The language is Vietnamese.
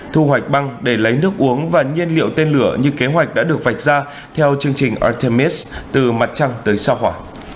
thu hoạch băng để lấy nước uống và nhiên liệu tên lửa như kế hoạch đã được vạch ra theo chương trình artemis từ mặt trăng tới sao hỏa